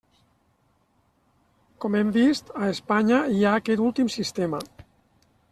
Com hem vist, a Espanya hi ha aquest últim sistema.